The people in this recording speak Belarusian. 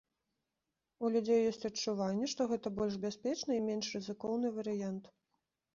У людзей ёсць адчуванне, што гэта больш бяспечны і менш рызыкоўны варыянт.